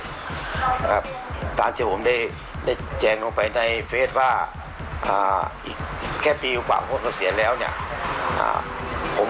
ยาท่าน้ำขาวไทยนครเพราะทุกการเดินทางของคุณจะมีแต่รอยยิ้ม